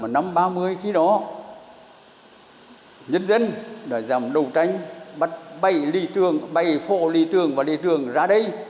năm một nghìn chín trăm ba mươi khi đó nhân dân đã dòng đấu tranh bắt bảy lý trường bảy phổ lý trường và lý trường ra đây